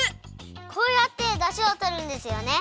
こうやってだしをとるんですよね。